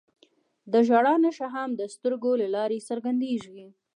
د ژړا نښه هم د سترګو له لارې څرګندېږي